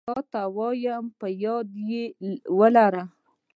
تاته وايم په ياد يي ولره